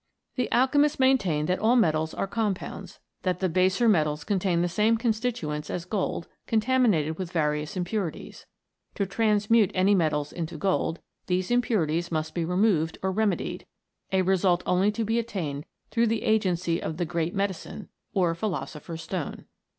The alchemist maintained that all the metals are compounds ; that the baser metals contain the same constituents as gold, contaminated with various impurities. To transmute any metals into MODERN ALCHEMY. 77 gold, these impurities must be removed or reme died, a result only to be attained through the agency of the great medicine, or philosopher's stone.